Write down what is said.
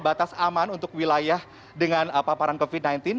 batas aman untuk wilayah dengan paparan covid sembilan belas